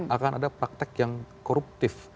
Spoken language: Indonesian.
akan ada praktek yang koruptif